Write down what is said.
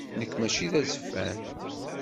Nekk mačči d azeffan.